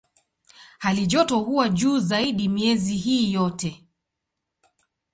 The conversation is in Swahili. Halijoto huwa juu zaidi miezi hii yote.